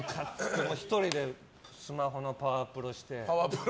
１人でスマホの「パワプロ」して。